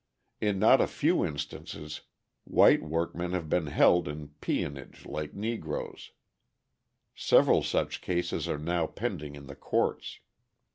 In not a few instances white workmen have been held in peonage like Negroes; several such cases are now pending in the courts.